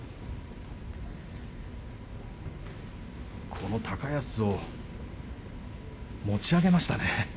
この高安を持ち上げましたね。